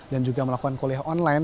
dan juga melakukan kuliah online